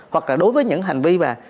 hoặc là đối với những hành vi mà